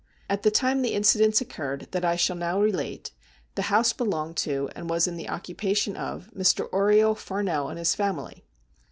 At the time the incidents occurred that I shall now relate, the house belonged to, and was in the occupation of, Mr. Oriel Farnell and his family.